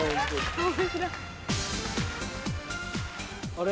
あれ？